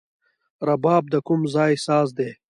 رباب د کوم ځای ساز دی؟